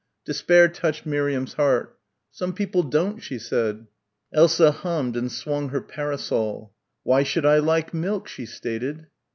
Despair touched Miriam's heart. "Some people don't," she said. Elsa hummed and swung her parasol. "Why should I like milk?" she stated.